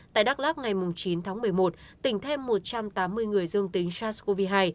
tại đắk lắk ngày chín tháng một mươi một tỉnh thêm một trăm tám mươi năm ca mắc covid một mươi chín